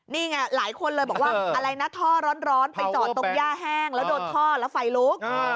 นี่ไงหลายคนเลยบอกว่าอะไรนะท่อร้อนไปจอดตรงย่าแห้งแล้วโดนท่อแล้วไฟลุก